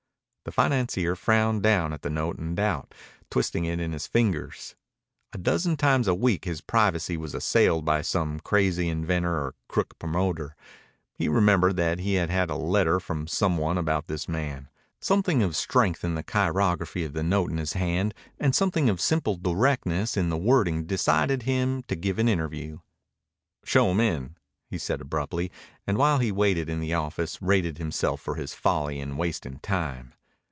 The financier frowned down at the note in doubt, twisting it in his fingers. A dozen times a week his privacy was assailed by some crazy inventor or crook promoter. He remembered that he had had a letter from some one about this man. Something of strength in the chirography of the note in his hand and something of simple directness in the wording decided him to give an interview. "Show him in," he said abruptly, and while he waited in the office rated himself for his folly in wasting time.